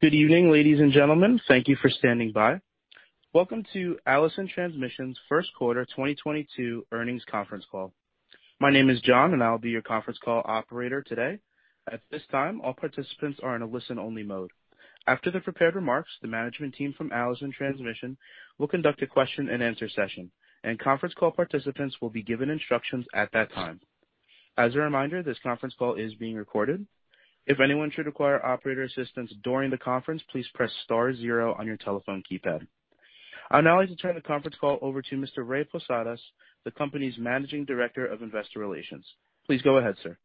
Good evening, ladies and gentlemen. Thank you for standing by. Welcome to Allison Transmission's first quarter 2022 earnings conference call. My name is John, and I'll be your conference call operator today. At this time, all participants are in a listen-only mode. After the prepared remarks, the management team from Allison Transmission will conduct a question-and-answer session, and conference call participants will be given instructions at that time. As a reminder, this conference call is being recorded. If anyone should require operator assistance during the conference, please press star zero on your telephone keypad. I'd now like to turn the conference call over to Mr. Ray Posadas, the company's Managing Director of Investor Relations. Please go ahead, sir.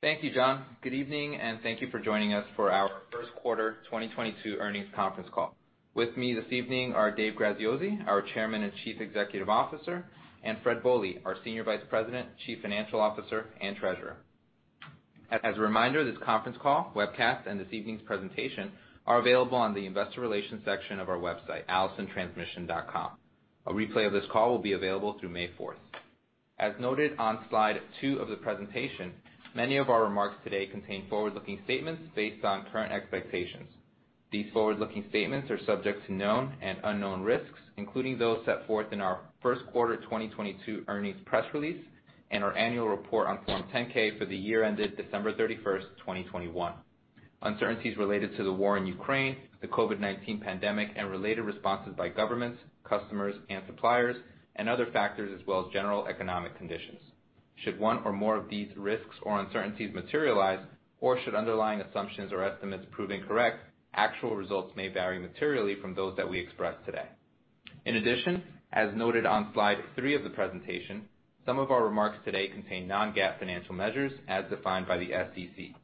Thank you, John. Good evening, and thank you for joining us for our first quarter 2022 earnings conference call. With me this evening are Dave Graziosi, our Chairman and Chief Executive Officer, and Fred Bohley, our Senior Vice President, Chief Financial Officer, and Treasurer. As a reminder, this conference call, webcast, and this evening's presentation are available on the investor relations section of our website, allisontransmission.com. A replay of this call will be available through May 4. As noted on slide 2 of the presentation, many of our remarks today contain forward-looking statements based on current expectations. These forward-looking statements are subject to known and unknown risks, including those set forth in our first quarter 2022 earnings press release and our annual report on Form 10-K for the year ended December 31, 2021. Uncertainties related to the war in Ukraine, the COVID-19 pandemic and related responses by governments, customers and suppliers, and other factors, as well as general economic conditions. Should one or more of these risks or uncertainties materialize, or should underlying assumptions or estimates prove incorrect, actual results may vary materially from those that we express today. In addition, as noted on slide 3 of the presentation, some of our remarks today contain non-GAAP financial measures as defined by the SEC.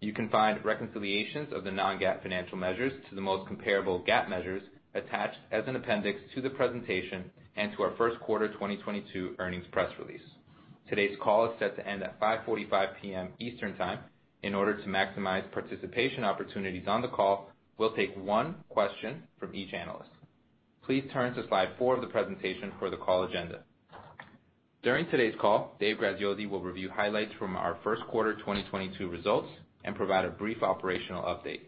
You can find reconciliations of the non-GAAP financial measures to the most comparable GAAP measures attached as an appendix to the presentation and to our first quarter 2022 earnings press release. Today's call is set to end at 5:45 P.M. Eastern Time. In order to maximize participation opportunities on the call, we'll take one question from each analyst. Please turn to slide 4 of the presentation for the call agenda. During today's call, Dave Graziosi will review highlights from our first quarter 2022 results and provide a brief operational update.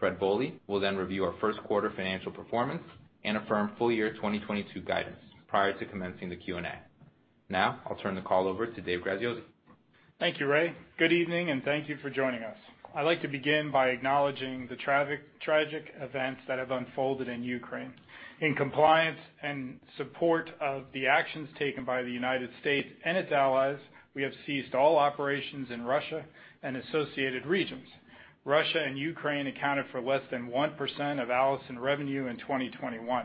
Fred Bohley will then review our first quarter financial performance and affirm full year 2022 guidance prior to commencing the Q&A. Now, I'll turn the call over to Dave Graziosi. Thank you, Ray. Good evening, and thank you for joining us. I'd like to begin by acknowledging the tragic events that have unfolded in Ukraine. In compliance and support of the actions taken by the United States and its allies, we have ceased all operations in Russia and associated regions. Russia and Ukraine accounted for less than 1% of Allison revenue in 2021.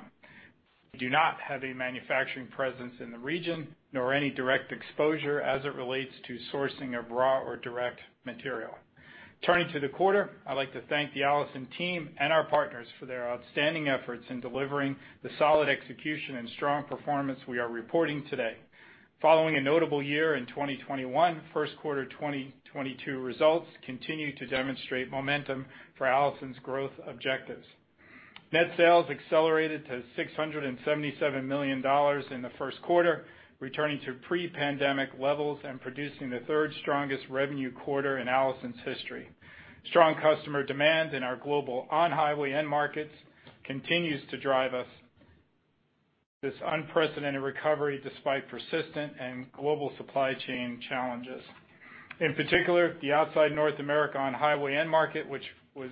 We do not have a manufacturing presence in the region, nor any direct exposure as it relates to sourcing of raw or direct material. Turning to the quarter, I'd like to thank the Allison team and our partners for their outstanding efforts in delivering the solid execution and strong performance we are reporting today. Following a notable year in 2021, first quarter 2022 results continue to demonstrate momentum for Allison's growth objectives. Net sales accelerated to $677 million in the first quarter, returning to pre-pandemic levels and producing the third strongest revenue quarter in Allison's history. Strong customer demand in our global on-highway end markets continues to drive us this unprecedented recovery despite persistent and global supply chain challenges. In particular, the outside North America on-highway end market, which was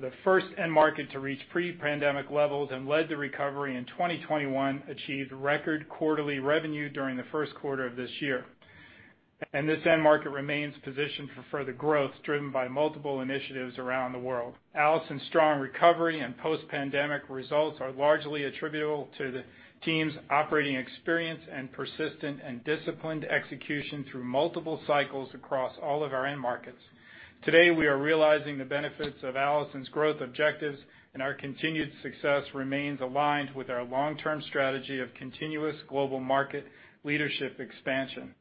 the first end market to reach pre-pandemic levels and led the recovery in 2021, achieved record quarterly revenue during the first quarter of this year. This end market remains positioned for further growth, driven by multiple initiatives around the world. Allison's strong recovery and post-pandemic results are largely attributable to the team's operating experience and persistent and disciplined execution through multiple cycles across all of our end markets. Today, we are realizing the benefits of Allison's growth objectives, and our continued success remains aligned with our long-term strategy of continuous global market leadership expansion.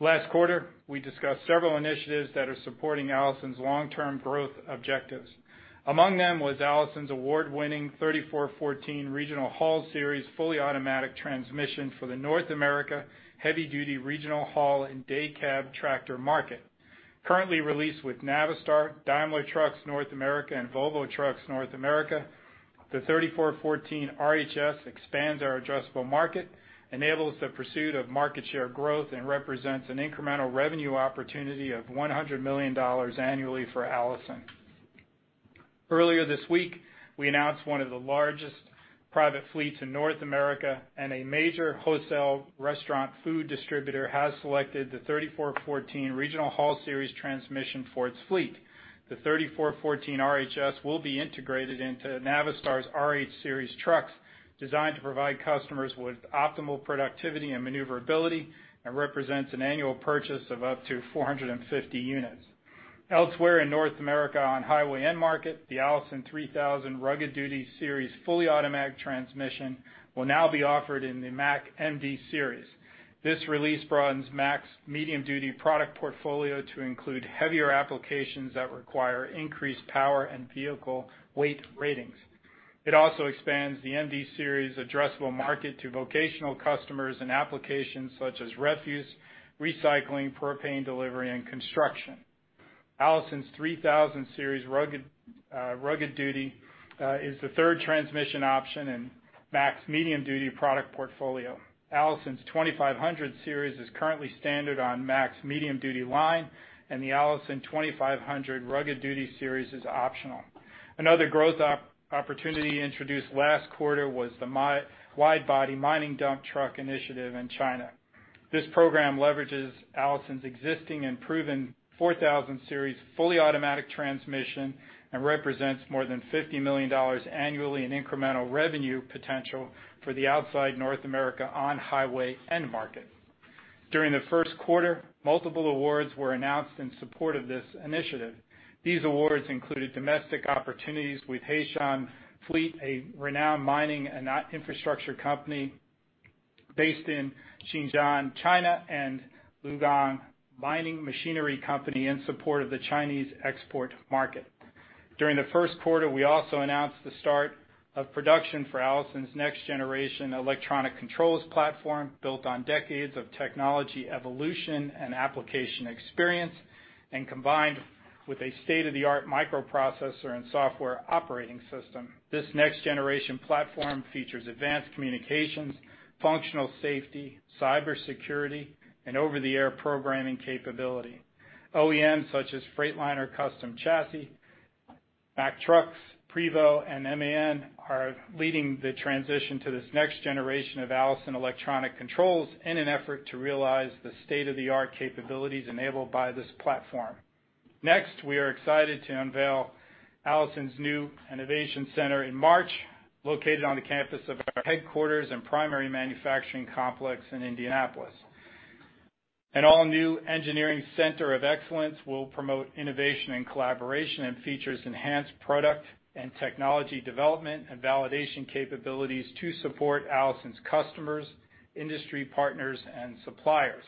Last quarter, we discussed several initiatives that are supporting Allison's long-term growth objectives. Among them was Allison's award-winning 3414 Regional Haul Series fully automatic transmission for the North America heavy-duty regional haul and day cab tractor market. Currently released with Navistar, Daimler Trucks North America, and Volvo Trucks North America, the 3414 RHS expands our addressable market, enables the pursuit of market share growth, and represents an incremental revenue opportunity of $100 million annually for Allison. Earlier this week, we announced one of the largest private fleets in North America, and a major wholesale restaurant food distributor has selected the 3414 Regional Haul Series transmission for its fleet. The 3414 RHS will be integrated into Navistar's RH Series trucks designed to provide customers with optimal productivity and maneuverability and represents an annual purchase of up to 450 units. Elsewhere in North America on-highway end market, the Allison 3000 Rugged Duty Series fully automatic transmission will now be offered in the Mack MD Series. This release broadens Mack's medium duty product portfolio to include heavier applications that require increased power and vehicle weight ratings. It also expands the MD Series addressable market to vocational customers and applications such as refuse, recycling, propane delivery, and construction. Allison's 3000 Series rugged duty is the third transmission option in Mack's medium duty product portfolio. Allison's 2500 Series is currently standard on Mack's medium duty line, and the Allison 2500 Rugged Duty Series is optional. Another growth opportunity introduced last quarter was the wide-body mining dump truck initiative in China. This program leverages Allison's existing and proven 4000 Series fully automatic transmission and represents more than $50 million annually in incremental revenue potential for the outside North America on-highway end market. During the first quarter, multiple awards were announced in support of this initiative. These awards included domestic opportunities with Beishan Fleet, a renowned mining and infrastructure company based in Xinjiang, China, and Wugang Mining Machinery Company in support of the Chinese export market. During the first quarter, we also announced the start of production for Allison's next generation electronic controls platform, built on decades of technology evolution and application experience, and combined with a state-of-the-art microprocessor and software operating system. This next generation platform features advanced communications, functional safety, cybersecurity, and over-the-air programming capability. OEMs such as Freightliner Custom Chassis, Mack Trucks, Prevost, and MAN are leading the transition to this next generation of Allison electronic controls in an effort to realize the state-of-the-art capabilities enabled by this platform. Next, we are excited to unveil Allison's new innovation center in March, located on the campus of our headquarters and primary manufacturing complex in Indianapolis. An all-new engineering center of excellence will promote innovation and collaboration, and features enhanced product and technology development and validation capabilities to support Allison's customers, industry partners, and suppliers.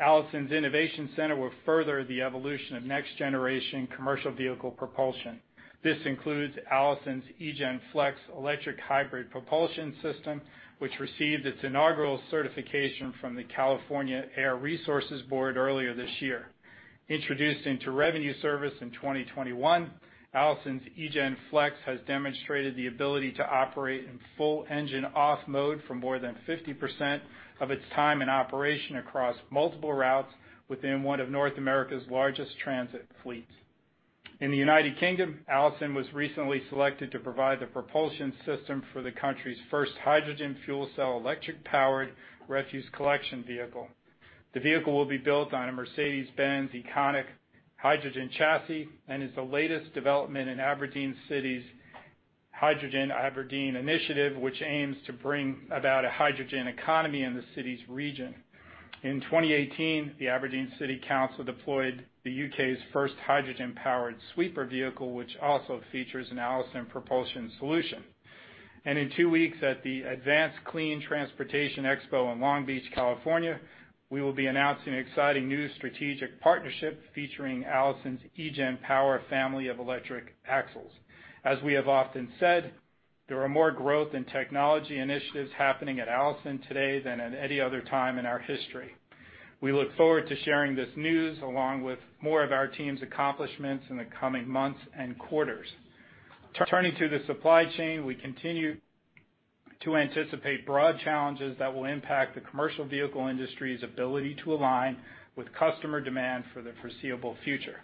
Allison's innovation center will further the evolution of next generation commercial vehicle propulsion. This includes Allison's eGen Flex electric hybrid propulsion system, which received its inaugural certification from the California Air Resources Board earlier this year. Introduced into revenue service in 2021, Allison's eGen Flex has demonstrated the ability to operate in full engine off mode for more than 50% of its time and operation across multiple routes within one of North America's largest transit fleets. In the U.K., Allison was recently selected to provide the propulsion system for the country's first hydrogen fuel cell electric-powered refuse collection vehicle. The vehicle will be built on a Mercedes-Benz Econic hydrogen chassis, and is the latest development in Aberdeen City Council's H2 Aberdeen initiative, which aims to bring about a hydrogen economy in the city's region. In 2018, the Aberdeen City Council deployed the U.K.'s first hydrogen-powered sweeper vehicle, which also features an Allison propulsion solution. In two weeks, at the Advanced Clean Transportation Expo in Long Beach, California, we will be announcing an exciting new strategic partnership featuring Allison's eGen Power family of electric axles. As we have often said, there are more growth and technology initiatives happening at Allison today than at any other time in our history. We look forward to sharing this news along with more of our team's accomplishments in the coming months and quarters. Turning to the supply chain, we continue to anticipate broad challenges that will impact the commercial vehicle industry's ability to align with customer demand for the foreseeable future.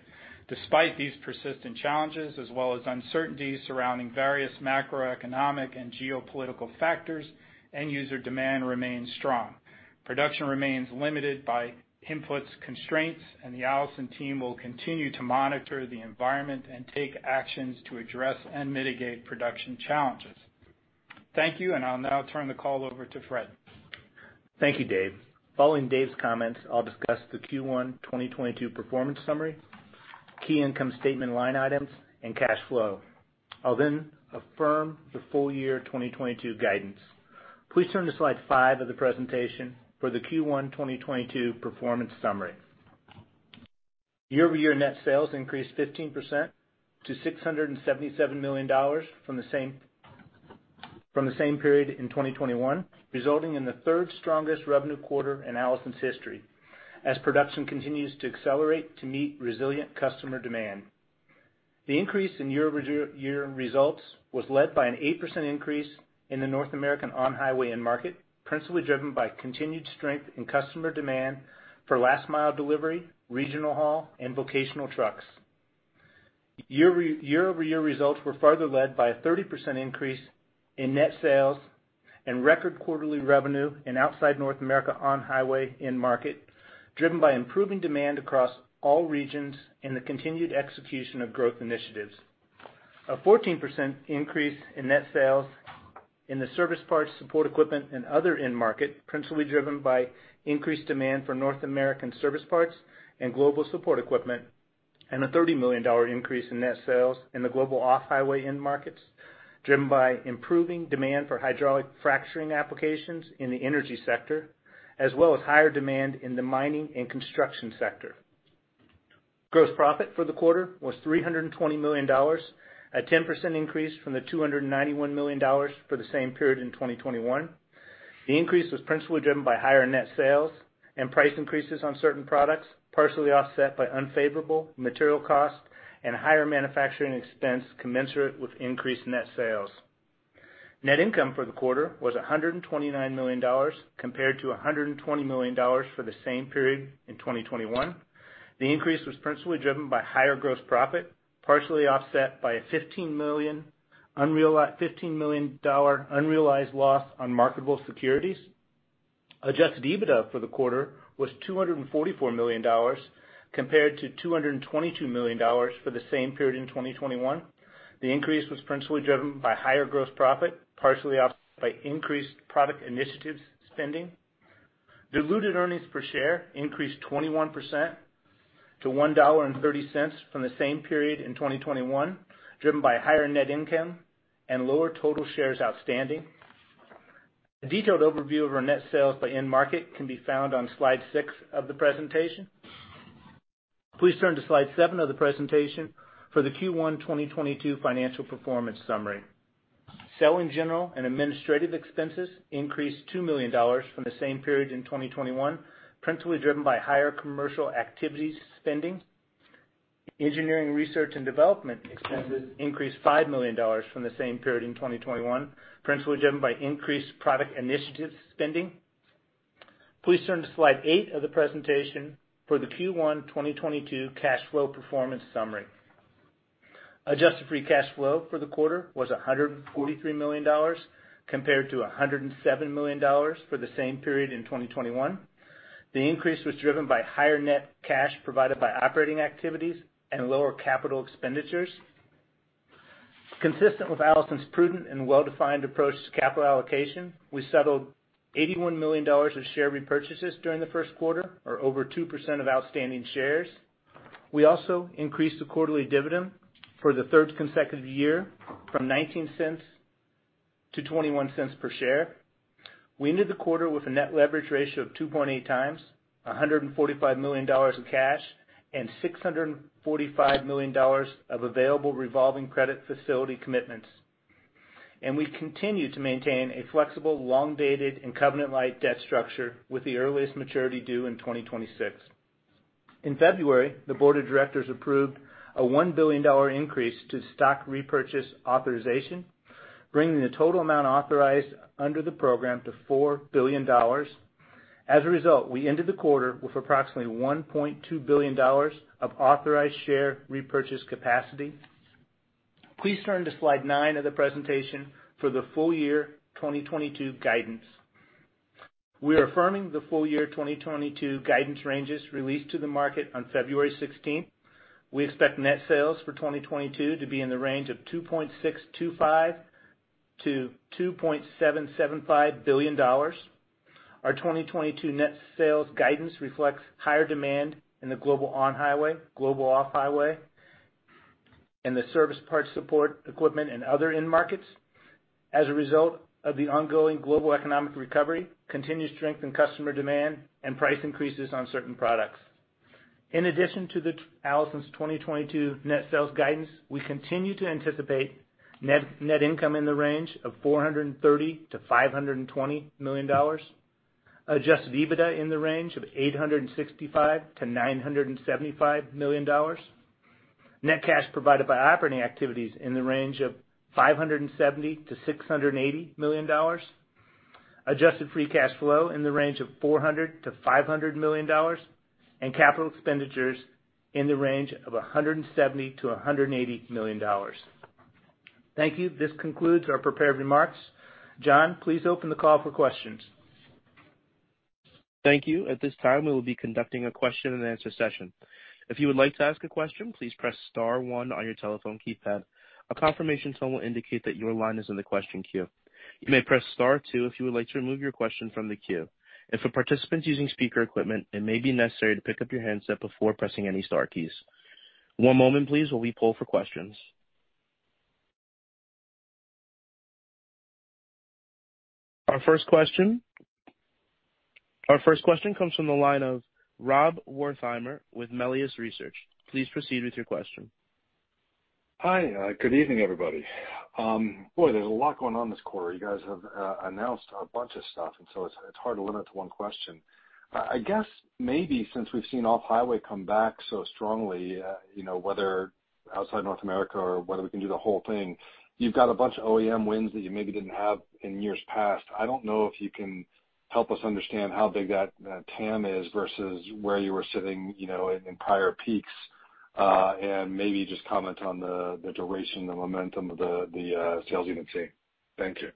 Despite these persistent challenges, as well as uncertainties surrounding various macroeconomic and geopolitical factors, end user demand remains strong. Production remains limited by inputs constraints, and the Allison team will continue to monitor the environment and take actions to address and mitigate production challenges. Thank you, and I'll now turn the call over to Fred. Thank you, Dave. Following Dave's comments, I'll discuss the Q1 2022 performance summary, key income statement line items, and cash flow. I'll then affirm the full year 2022 guidance. Please turn to slide 5 of the presentation for the Q1 2022 performance summary. Year-over-year net sales increased 15% to $677 million from the same period in 2021, resulting in the third strongest revenue quarter in Allison's history as production continues to accelerate to meet resilient customer demand. The increase in year-over-year results was led by an 8% increase in the North American on-highway end market, principally driven by continued strength in customer demand for last mile delivery, regional haul, and vocational trucks. Year-over-year results were further led by a 30% increase in net sales and record quarterly revenue in outside North America on-highway end market, driven by improving demand across all regions and the continued execution of growth initiatives. A 14% increase in net sales in the service parts, support equipment, and other end market, principally driven by increased demand for North American service parts and global support equipment, and a $30 million increase in net sales in the global off-highway end markets, driven by improving demand for hydraulic fracturing applications in the energy sector, as well as higher demand in the mining and construction sector. Gross profit for the quarter was $320 million, a 10% increase from the $291 million for the same period in 2021. The increase was principally driven by higher net sales and price increases on certain products, partially offset by unfavorable material costs and higher manufacturing expense commensurate with increased net sales. Net income for the quarter was $129 million compared to $120 million for the same period in 2021. The increase was principally driven by higher gross profit, partially offset by a fifteen million dollar unrealized loss on marketable securities. Adjusted EBITDA for the quarter was $244 million compared to $222 million for the same period in 2021. The increase was principally driven by higher gross profit, partially offset by increased product initiatives spending. Diluted earnings per share increased 21% to $1.30 from the same period in 2021, driven by higher net income and lower total shares outstanding. A detailed overview of our net sales by end market can be found on slide 6 of the presentation. Please turn to slide 7 of the presentation for the Q1 2022 financial performance summary. Selling, general and administrative expenses increased $2 million from the same period in 2021, principally driven by higher commercial activities spending. Engineering, research and development expenses increased $5 million from the same period in 2021, principally driven by increased product initiatives spending. Please turn to slide 8 of the presentation for the Q1 2022 cash flow performance summary. Adjusted free cash flow for the quarter was $143 million compared to $107 million for the same period in 2021. The increase was driven by higher net cash provided by operating activities and lower capital expenditures. Consistent with Allison's prudent and well-defined approach to capital allocation, we settled $81 million of share repurchases during the first quarter, or over 2% of outstanding shares. We also increased the quarterly dividend for the third consecutive year from $0.19 to $0.21 per share. We ended the quarter with a net leverage ratio of 2.8x, $145 million in cash, and $645 million of available revolving credit facility commitments. We continue to maintain a flexible, long-dated, and covenant-light debt structure with the earliest maturity due in 2026. In February, the board of directors approved a $1 billion increase to stock repurchase authorization, bringing the total amount authorized under the program to $4 billion. As a result, we ended the quarter with approximately $1.2 billion of authorized share repurchase capacity. Please turn to slide nine of the presentation for the full-year 2022 guidance. We are affirming the full-year 2022 guidance ranges released to the market on February sixteenth. We expect net sales for 2022 to be in the range of $2.625 billion-$2.775 billion. Our 2022 net sales guidance reflects higher demand in the global on-highway, global off-highway, and the service parts support equipment and other end markets as a result of the ongoing global economic recovery, continued strength in customer demand, and price increases on certain products. In addition to Allison's 2022 net sales guidance, we continue to anticipate net income in the range of $430 million-$520 million. Adjusted EBITDA in the range of $865 million-$975 million. Net cash provided by operating activities in the range of $570 million-$680 million. Adjusted free cash flow in the range of $400 million-$500 million. Capital expenditures in the range of $170 million-$180 million. Thank you. This concludes our prepared remarks. John, please open the call for questions. Thank you. At this time, we will be conducting a question and answer session. If you would like to ask a question, please press star one on your telephone keypad. A confirmation tone will indicate that your line is in the question queue. You may press star two if you would like to remove your question from the queue. If a participant is using speaker equipment, it may be necessary to pick up your handset before pressing any star keys. One moment please while we poll for questions. Our first question comes from the line of Rob Wertheimer with Melius Research. Please proceed with your question. Hi, good evening, everybody. Boys, there's a lot going on this quarter. You guys have announced a bunch of stuff, and so it's hard to limit it to one question. I guess maybe since we've seen off-highway come back so strongly, you know, whether outside North America or whether we can do the whole thing, you've got a bunch of OEM wins that you maybe didn't have in years past. I don't know if you can help us understand how big that TAM is versus where you were sitting, you know, in prior peaks. Maybe just comment on the duration, the momentum of the sales you've been seeing. Thank you.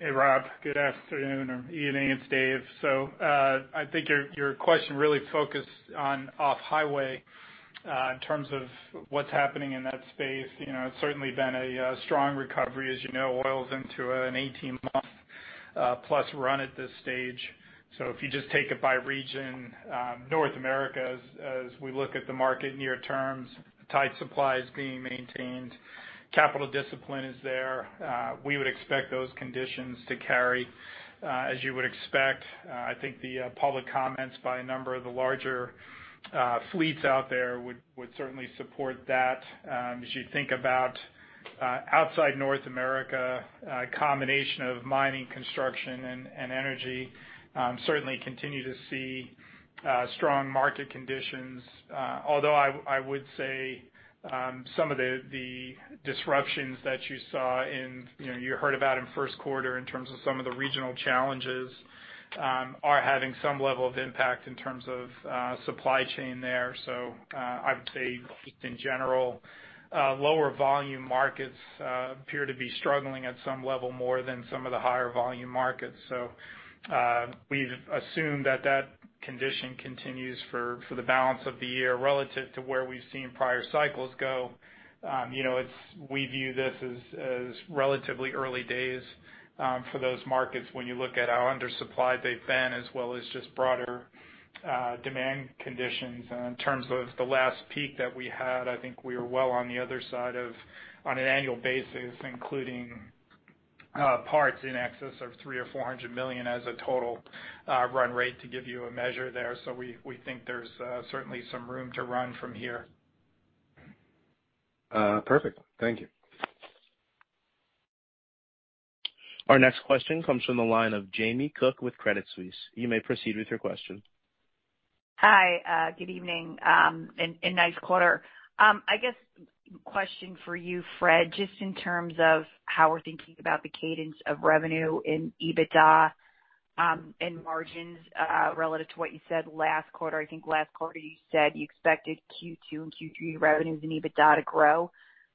Hey, Rob. Good afternoon or evening. It's Dave. I think your question really focused on off-highway in terms of what's happening in that space. You know, it's certainly been a strong recovery. As you know, oil's into an 18-month Plus run rate at this stage. If you just take it by region, North America, as we look at the market near-term, tight supply is being maintained. Capital discipline is there. We would expect those conditions to carry, as you would expect. I think the public comments by a number of the larger fleets out there would certainly support that. As you think about outside North America, a combination of mining, construction and energy certainly continue to see strong market conditions. Although I would say some of the disruptions that you saw in, you know, you heard about in first quarter in terms of some of the regional challenges are having some level of impact in terms of supply chain there. I would say just in general, lower volume markets appear to be struggling at some level more than some of the higher volume markets. We assume that condition continues for the balance of the year relative to where we've seen prior cycles go. You know, we view this as relatively early days for those markets when you look at how undersupplied they've been, as well as just broader demand conditions. In terms of the last peak that we had, I think we are well on the other side of, on an annual basis, including parts in excess of $300 million-$400 million as a total run rate to give you a measure there. We think there's certainly some room to run from here. Perfect. Thank you. Our next question comes from the line of Jamie Cook with Credit Suisse. You may proceed with your question. Hi. Good evening, and nice quarter. I guess question for you, Fred, just in terms of how we're thinking about the cadence of revenue and EBITDA, and margins, relative to what you said last quarter. I think last quarter you said you expected Q2 and Q3 revenues and EBITDA to grow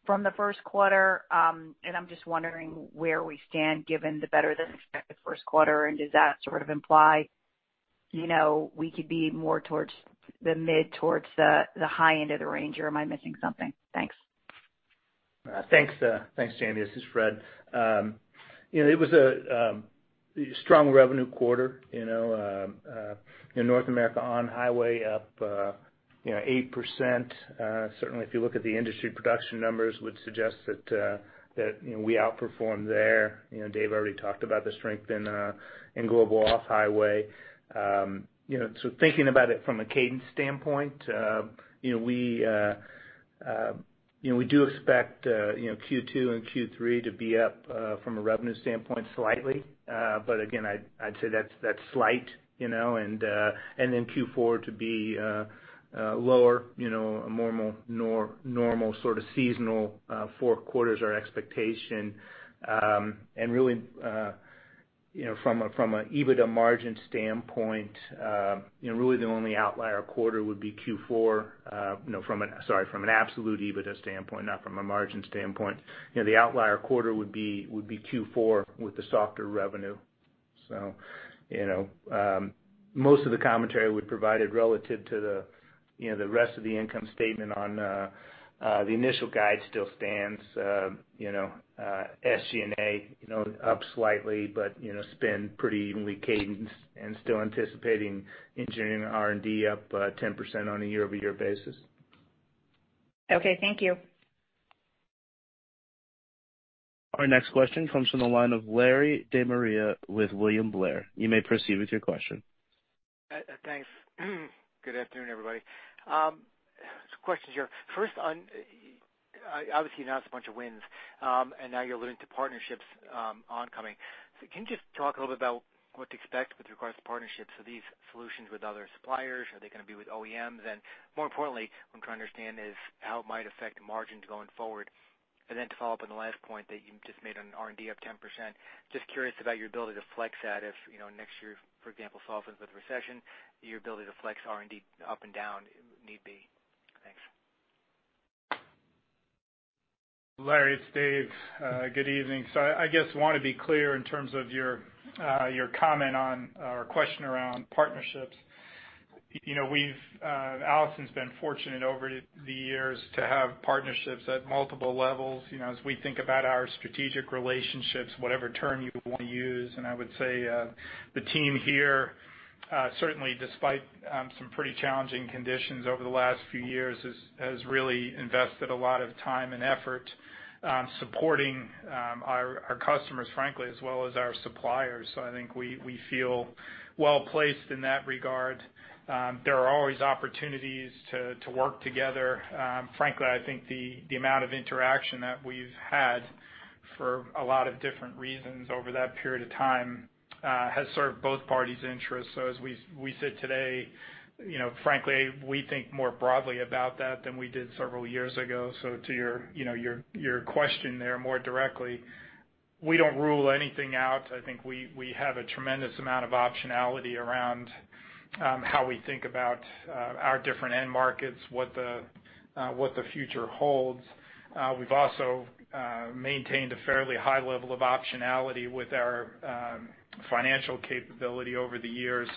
from the first quarter. I'm just wondering where we stand given the better than expected first quarter, and does that sort of imply, you know, we could be more towards the high end of the range, or am I missing something? Thanks. Thanks, Jamie. This is Fred. You know, it was a strong revenue quarter, you know. In North America, on-highway up 8%. Certainly if you look at the industry production numbers, it would suggest that we outperformed there. You know, Dave already talked about the strength in global off-highway. You know, thinking about it from a cadence standpoint, you know, we do expect Q2 and Q3 to be up from a revenue standpoint slightly. But again, I'd say that's slight, you know, and then Q4 to be lower, you know, a more normal sort of seasonal fourth quarter's our expectation. Really, from an EBITDA margin standpoint, really the only outlier quarter would be Q4, from an absolute EBITDA standpoint, not from a margin standpoint. You know, the outlier quarter would be Q4 with the softer revenue. Most of the commentary we provided relative to the rest of the income statement on the initial guide still stands. SG&A up slightly, but spend pretty evenly cadenced and still anticipating engineering R&D up 10% on a year-over-year basis. Okay, thank you. Our next question comes from the line of Larry De Maria with William Blair. You may proceed with your question. Thanks. Good afternoon, everybody. Some questions here. First on, obviously you announced a bunch of wins, and now you're alluding to partnerships, upcoming. Can you just talk a little bit about what to expect with regards to partnerships? Are these solutions with other suppliers? Are they gonna be with OEMs? And more importantly, what I'm trying to understand is how it might affect margins going forward. To follow up on the last point that you just made on R&D up 10%, just curious about your ability to flex that if, you know, next year, for example, softens with recession, your ability to flex R&D up and down need be. Thanks. Larry De Maria, it's Dave Graziosi. Good evening. I guess want to be clear in terms of your your comment on or question around partnerships. You know, Allison's been fortunate over the years to have partnerships at multiple levels, you know, as we think about our strategic relationships, whatever term you wanna use. I would say the team here certainly despite some pretty challenging conditions over the last few years has really invested a lot of time and effort supporting our customers, frankly, as well as our suppliers. I think we feel well-placed in that regard. There are always opportunities to work together. Frankly, I think the amount of interaction that we've had for a lot of different reasons over that period of time has served both parties' interests. As we sit today, you know, frankly, we think more broadly about that than we did several years ago. To your question there more directly, we don't rule anything out. I think we have a tremendous amount of optionality around how we think about our different end markets, what the future holds. We've also maintained a fairly high level of optionality with our financial capability over the years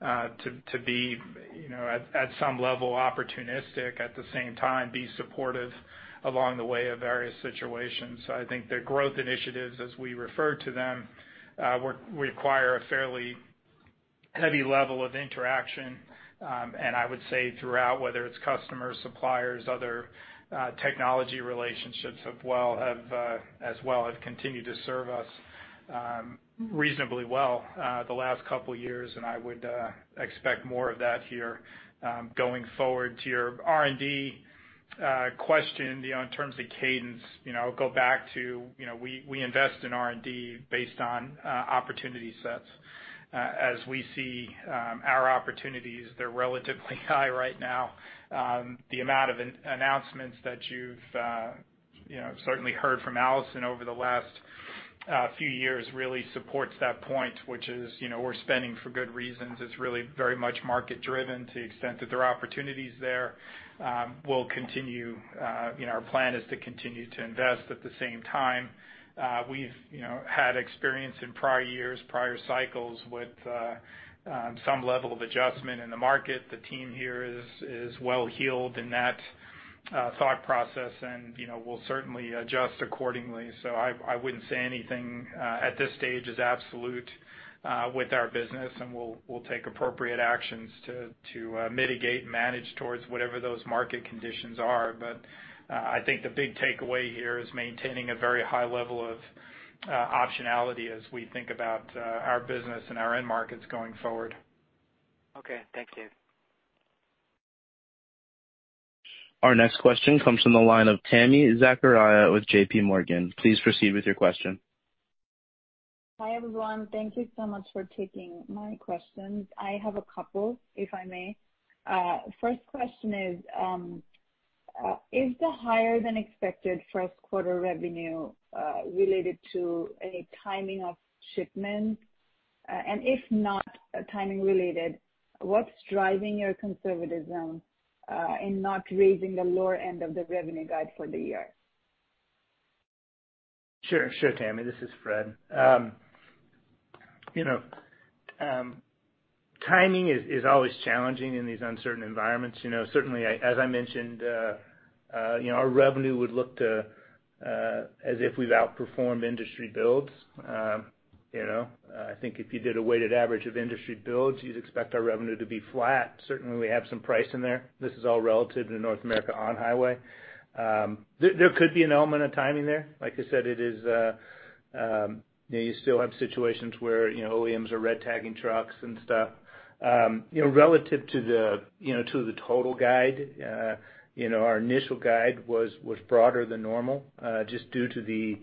to be, you know, at some level opportunistic, at the same time be supportive along the way of various situations. I think the growth initiatives, as we refer to them, require a fairly Heavy level of interaction, and I would say throughout, whether it's customers, suppliers, other technology relationships as well have continued to serve us reasonably well the last couple years, and I would expect more of that here. Going forward to your R&D question, you know, in terms of cadence, you know, I'll go back to, you know, we invest in R&D based on opportunity sets. As we see our opportunities, they're relatively high right now. The amount of announcements that you've you know certainly heard from Allison over the last few years really supports that point, which is, you know, we're spending for good reasons. It's really very much market driven to the extent that there are opportunities there. We'll continue, you know, our plan is to continue to invest. At the same time, we've, you know, had experience in prior years, prior cycles with some level of adjustment in the market. The team here is well-heeled in that thought process and, you know, we'll certainly adjust accordingly. I wouldn't say anything at this stage is absolute with our business, and we'll take appropriate actions to mitigate and manage towards whatever those market conditions are. I think the big takeaway here is maintaining a very high level of optionality as we think about our business and our end markets going forward. Okay. Thank you. Our next question comes from the line of Tami Zakaria with JPMorgan. Please proceed with your question. Hi, everyone. Thank you so much for taking my questions. I have a couple, if I may. First question is the higher than expected first quarter revenue related to any timing of shipments? If not timing related, what's driving your conservatism in not raising the lower end of the revenue guide for the year? Sure, Tami, this is Fred. You know, timing is always challenging in these uncertain environments. You know, certainly as I mentioned, you know, our revenue would look to as if we've outperformed industry builds. You know, I think if you did a weighted average of industry builds, you'd expect our revenue to be flat. Certainly, we have some price in there. This is all relative to North America on-highway. There could be an element of timing there. Like I said, it is, you know, you still have situations where, you know, OEMs are red tagging trucks and stuff. You know, relative to the, you know, to the total guide, you know, our initial guide was broader than normal, just due to the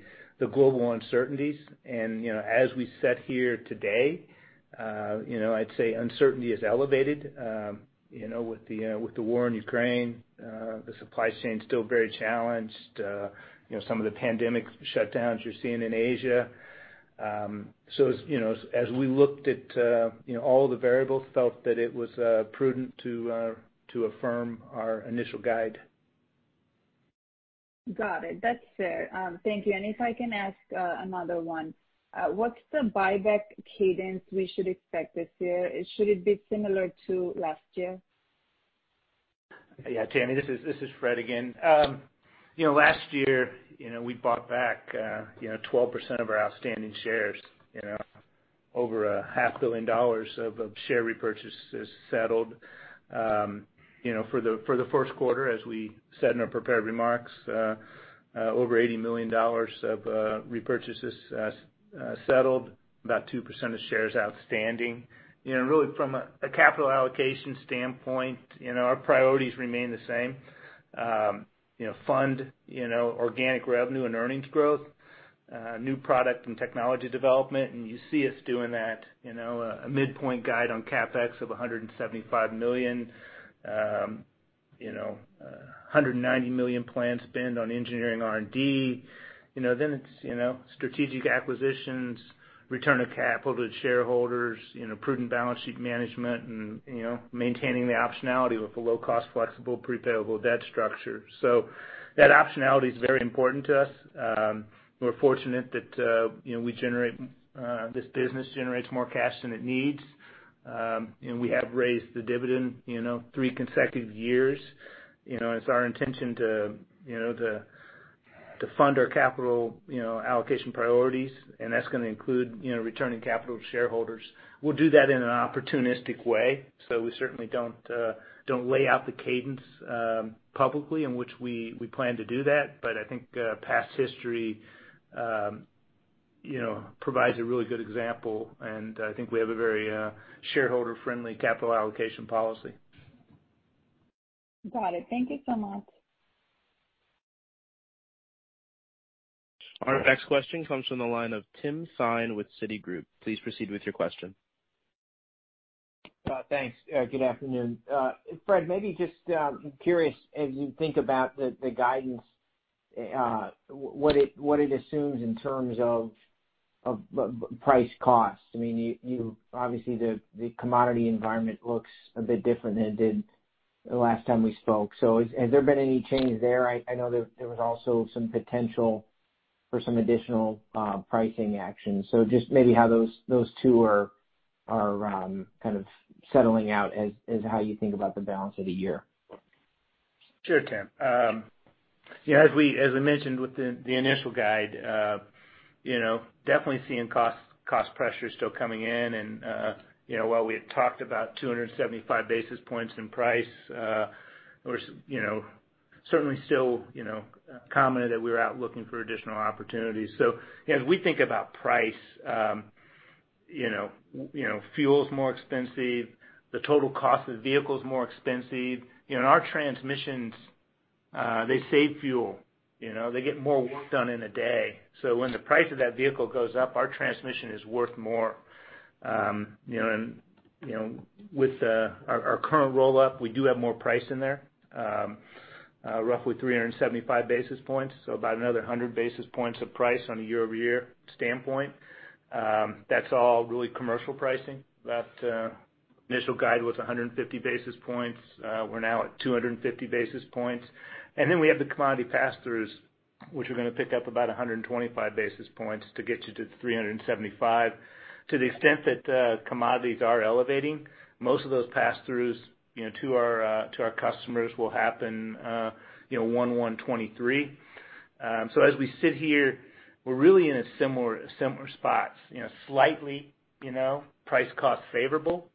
global uncertainties. You know, as we sit here today, you know, I'd say uncertainty is elevated, you know, with the war in Ukraine, the supply chain's still very challenged, you know, some of the pandemic shutdowns you're seeing in Asia. As you know, as we looked at you know all the variables, felt that it was prudent to affirm our initial guide. Got it. That's fair. Thank you. If I can ask, another one. What's the buyback cadence we should expect this year? Should it be similar to last year? Yeah, Tami, this is Fred again. You know, last year, you know, we bought back 12% of our outstanding shares, you know, over a $500 million of share repurchases settled. You know, for the first quarter, as we said in our prepared remarks, over $80 million of repurchases settled, about 2% of shares outstanding. You know, really from a capital allocation standpoint, you know, our priorities remain the same. You know, fund organic revenue and earnings growth, new product and technology development, and you see us doing that, you know, a midpoint guide on CapEx of $175 million, $190 million planned spend on engineering R&D. You know, it's strategic acquisitions, return of capital to shareholders, you know, prudent balance sheet management and, you know, maintaining the optionality with a low-cost, flexible, pre-payable debt structure. That optionality is very important to us. We're fortunate that, you know, this business generates more cash than it needs. We have raised the dividend, you know, three consecutive years. You know, it's our intention to fund our capital, you know, allocation priorities, and that's gonna include, you know, returning capital to shareholders. We'll do that in an opportunistic way. We certainly don't lay out the cadence publicly in which we plan to do that, but I think past history, you know, provides a really good example, and I think we have a very shareholder-friendly capital allocation policy. Got it. Thank you so much. Our next question comes from the line of Tim Thein with Citigroup. Please proceed with your question. Thanks. Good afternoon. Fred, maybe just curious as you think about the guidance, what it assumes in terms of price cost. I mean, you obviously the commodity environment looks a bit different than it did the last time we spoke. Has there been any change there? I know there was also some potential for some additional pricing action. Just maybe how those two are kind of settling out as how you think about the balance of the year. Sure, Tim. You know, as we mentioned with the initial guide, you know, definitely seeing cost pressures still coming in and, you know, while we had talked about 275 basis points in price, we commented that we're out looking for additional opportunities. As we think about price, you know, fuel's more expensive, the total cost of vehicle is more expensive. You know, and our transmissions, they save fuel, you know. They get more work done in a day. When the price of that vehicle goes up, our transmission is worth more. You know, you know, with our current roll-up, we do have more price in there, roughly 375 basis points, so about another 100 basis points of price on a year-over-year standpoint. That's all really commercial pricing. That initial guide was 150 basis points. We're now at 250 basis points. Then we have the commodity pass-throughs, which are gonna pick up about 125 basis points to get you to 375. To the extent that commodities are elevating, most of those pass-throughs, you know, to our customers will happen, you know, 1/1/2023. So as we sit here, we're really in a similar spot, you know, slightly, you know, price cost favorable.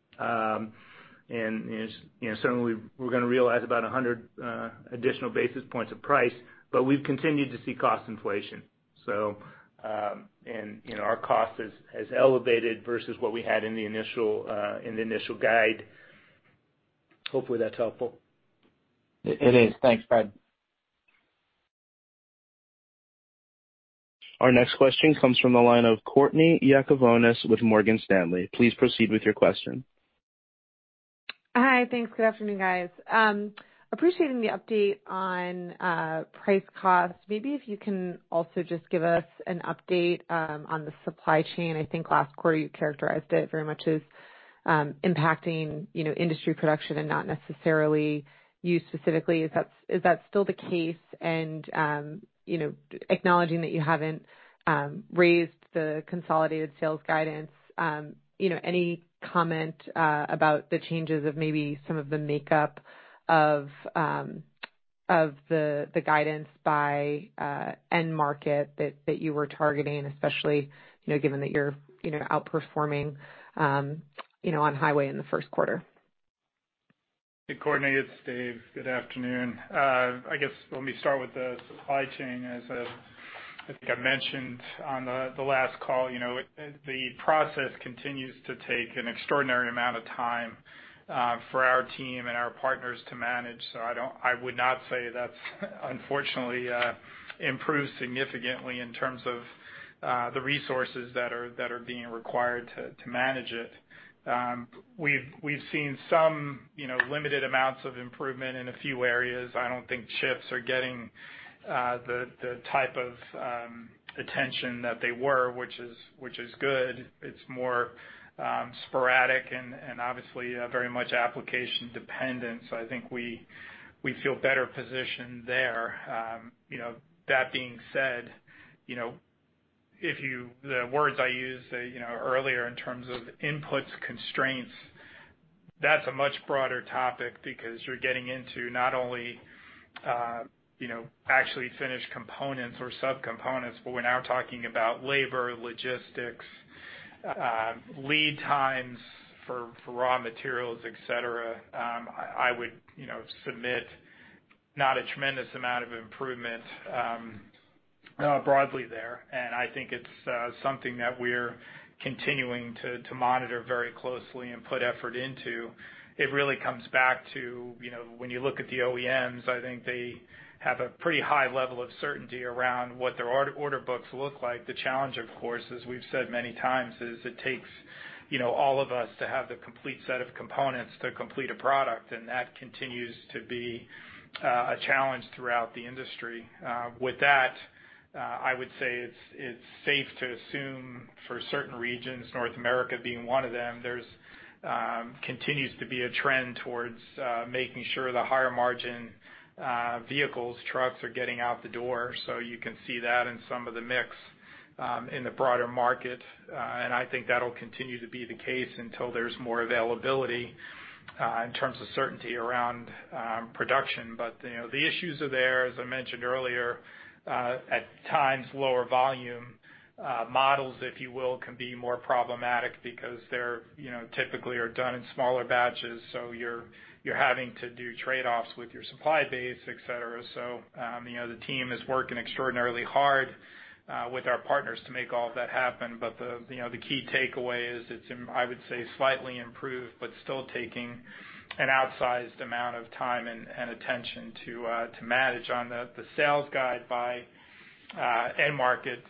You know, certainly we're gonna realize about 100 additional basis points of price, but we've continued to see cost inflation. You know, our cost has elevated versus what we had in the initial guide. Hopefully, that's helpful. It is. Thanks, Fred. Our next question comes from the line of Courtney Yakavonis with Morgan Stanley. Please proceed with your question. Hi. Thanks. Good afternoon, guys. Appreciating the update on price cost, maybe if you can also just give us an update on the supply chain. I think last quarter you characterized it very much as impacting, you know, industry production and not necessarily you specifically. Is that still the case? You know, acknowledging that you haven't raised the consolidated sales guidance, you know, any comment about the changes of maybe some of the makeup of the guidance by end market that you were targeting, especially, you know, given that you're, you know, outperforming on highway in the first quarter? Hey, Courtney Yakavonis, it's Dave. Good afternoon. I guess, let me start with the supply chain. As I think I mentioned on the last call, you know, the process continues to take an extraordinary amount of time for our team and our partners to manage. So I would not say that's unfortunately improved significantly in terms of the resources that are being required to manage it. We've seen some, you know, limited amounts of improvement in a few areas. I don't think chips are getting the type of attention that they were, which is good. It's more sporadic and obviously very much application dependent. So I think we feel better positioned there. You know, that being said, you know, the words I used, you know, earlier in terms of inputs constraints, that's a much broader topic because you're getting into not only, you know, actually finished components or subcomponents, but we're now talking about labor, logistics, lead times for raw materials, et cetera. I would, you know, submit not a tremendous amount of improvement, broadly there. I think it's something that we're continuing to monitor very closely and put effort into. It really comes back to, you know, when you look at the OEMs, I think they have a pretty high level of certainty around what their order books look like. The challenge, of course, as we've said many times, is that it takes, you know, all of us to have the complete set of components to complete a product, and that continues to be a challenge throughout the industry. With that, I would say it's safe to assume for certain regions, North America being one of them, there continues to be a trend towards making sure the higher margin vehicles, trucks are getting out the door. You can see that in some of the mix in the broader market. I think that'll continue to be the case until there's more availability in terms of certainty around production. You know, the issues are there. As I mentioned earlier, at times, lower volume models, if you will, can be more problematic because they're, you know, typically are done in smaller batches, so you're having to do trade-offs with your supply base, et cetera. The team is working extraordinarily hard with our partners to make all of that happen. The key takeaway is it's, I would say, slightly improved, but still taking an outsized amount of time and attention to manage. On the sales guide by end markets,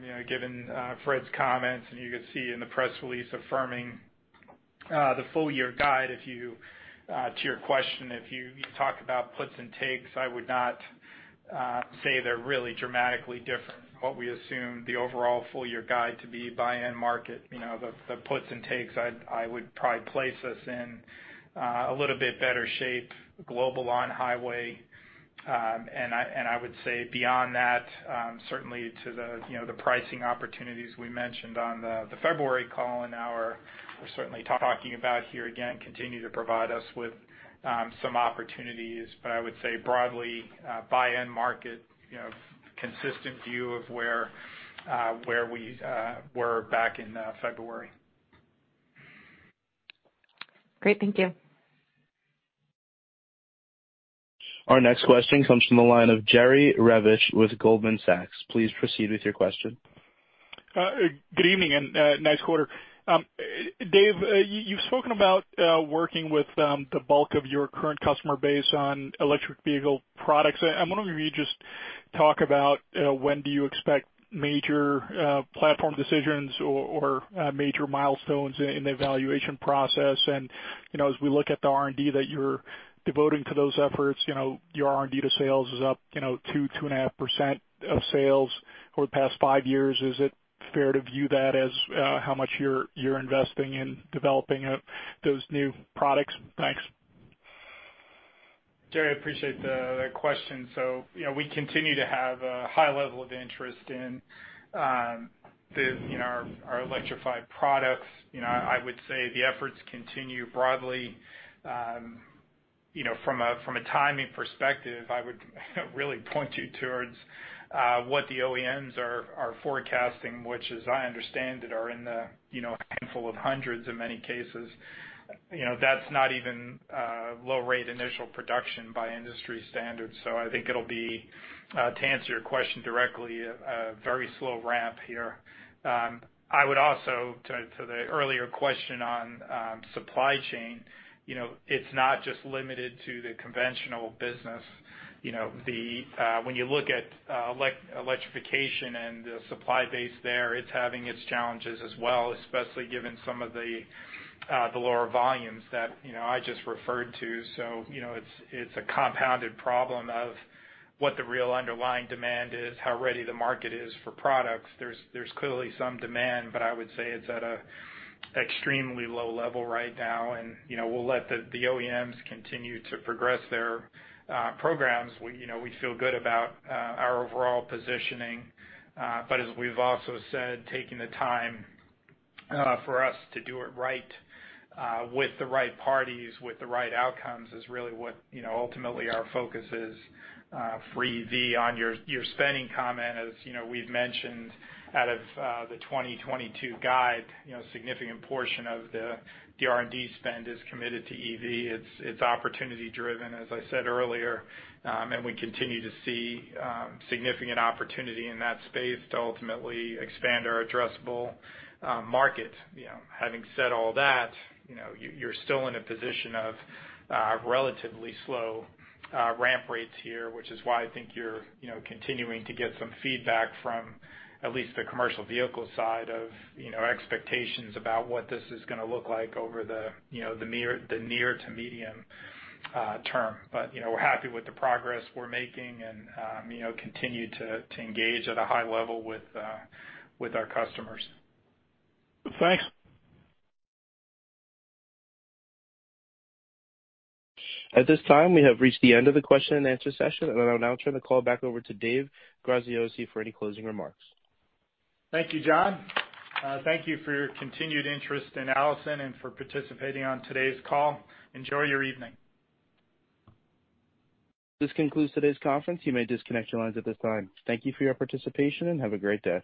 you know, given Fred's comments, you could see in the press release affirming the full-year guide. To your question, if you talk about puts and takes, I would not say they're really dramatically different from what we assume the overall full-year guide to be by end market. You know, the puts and takes, I would probably place us in a little bit better shape global on-highway. And I would say beyond that, certainly, you know, the pricing opportunities we mentioned on the February call and we're certainly talking about here again continue to provide us with some opportunities. I would say broadly, buy-in market, you know, consistent view of where we were back in February. Great. Thank you. Our next question comes from the line of Jerry Revich with Goldman Sachs. Please proceed with your question. Good evening and nice quarter. Dave, you've spoken about working with the bulk of your current customer base on electric vehicle products. I'm wondering if you could just talk about when do you expect major platform decisions or major milestones in the evaluation process. You know, as we look at the R&D that you're devoting to those efforts, you know, your R&D to sales is up 2.5% of sales over the past five years. Is it fair to view that as how much you're investing in developing those new products? Thanks. Jerry, I appreciate the question. You know, we continue to have a high level of interest in the, you know, our electrified products. You know, I would say the efforts continue broadly. You know, from a timing perspective, I would really point you towards what the OEMs are forecasting, which as I understand it, are in the, you know, handful of hundreds in many cases. You know, that's not even low rate initial production by industry standards. I think it'll be to answer your question directly, a very slow ramp here. I would also to the earlier question on supply chain, you know, it's not just limited to the conventional business. You know, when you look at electrification and the supply base there, it's having its challenges as well, especially given some of the lower volumes that, you know, I just referred to. You know, it's a compounded problem of what the real underlying demand is, how ready the market is for products. There's clearly some demand, but I would say it's at an extremely low level right now. You know, we'll let the OEMs continue to progress their programs. You know, we feel good about our overall positioning. But as we've also said, taking the time for us to do it right, with the right parties, with the right outcomes is really what, you know, ultimately our focus is for EV. On your spending comment, as you know, we've mentioned out of the 2022 guide, you know, significant portion of the R&D spend is committed to EV. It's opportunity driven, as I said earlier, and we continue to see significant opportunity in that space to ultimately expand our addressable market. You know, having said all that, you know, you're still in a position of relatively slow ramp rates here, which is why I think you're, you know, continuing to get some feedback from at least the commercial vehicle side of, you know, expectations about what this is gonna look like over the, you know, the near to medium term. We're happy with the progress we're making and, you know, continue to engage at a high level with our customers. Thanks. At this time, we have reached the end of the question and answer session, and I'll now turn the call back over to Dave Graziosi for any closing remarks. Thank you, John. Thank you for your continued interest in Allison and for participating on today's call. Enjoy your evening. This concludes today's conference. You may disconnect your lines at this time. Thank you for your participation, and have a great day.